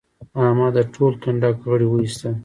احمد د ټول کنډک غړي واېستل.